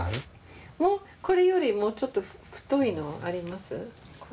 これよりもうちょっと太いのあります？